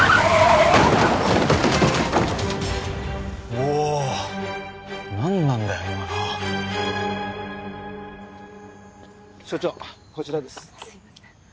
おなんなんだよ今の。署長こちらです。